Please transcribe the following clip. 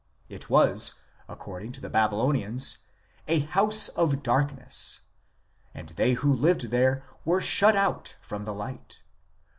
It was, according to the Babylonians, " a house of darkness," and they who lived there were shut out from the light.